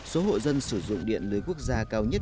số hộ dân sử dụng điện lưới quốc gia cao nhất